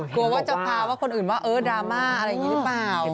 กลัวว่าจะพาว่าคนอื่นว่าเออดราม่าอะไรอย่างนี้หรือเปล่า